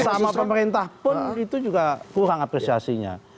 walaupun itu juga kurang apresiasinya